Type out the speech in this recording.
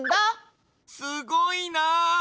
すごいな！